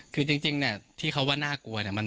คือจริงเนี่ยที่เขาว่าน่ากลัวเนี่ย